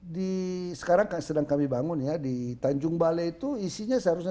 di sekarang sedang kami bangun ya di tanjung balai itu isinya seharusnya